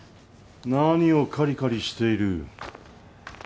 何をかりかりしている。